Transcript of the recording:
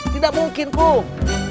tidak mungkin kum